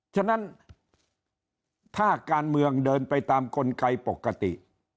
ฉะนั้นถ้าการเมืองเดินไปตามกลไกปกติ